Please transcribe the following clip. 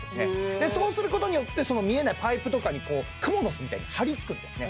でそうすることによって見えないパイプとかにクモの巣みたいに張り付くんですね